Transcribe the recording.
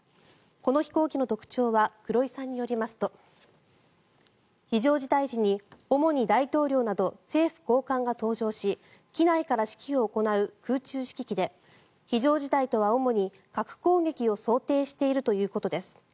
この飛行機の特徴は黒井さんによりますと非常事態時に主に大統領など政府高官が搭乗し機内から指揮を行う空中指揮機で非常事態とは主に核攻撃を想定しているということです。